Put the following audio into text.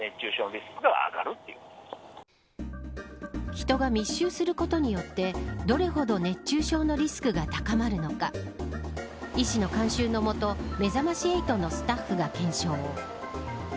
人が密集することによってどれほど熱中症のリスクが高まるのか医師の監修のもとめざまし８のスタッフが検証。